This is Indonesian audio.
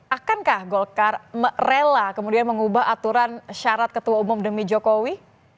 akankah golkar rela kemudian mengubah aturan syarat ketua umum demi jokowi